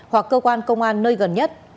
hoặc cơ quan công an nơi gần nhất